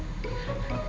dia juga kayak gila